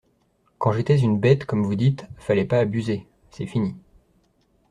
Quand j'étais une bête, comme vous dites, fallait pas abuser … C'est fini.